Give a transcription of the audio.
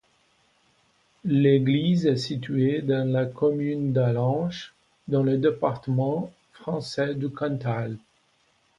L'église est située dans la commune d'Allanche, dans le département français du Cantal.